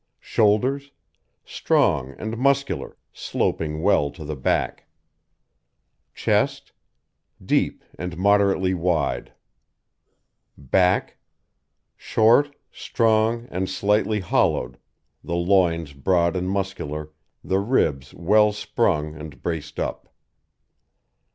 SHOULDERS Strong and muscular, sloping well to the back. CHEST Deep and moderately wide. BACK Short, strong, and slightly hollowed, the loins broad and muscular, the ribs well sprung and braced up.